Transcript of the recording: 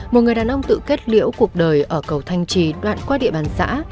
một người đàn ông tự kết liễu cuộc đời ở cầu thanh trì đoạn qua địa bàn xã